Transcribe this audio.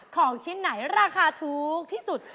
ของชิ้นไหนราคาถูกที่สุด